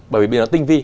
bởi vì nó tinh vi